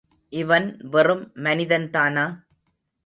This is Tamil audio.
இவன் வெறும் மனிதன்தானா?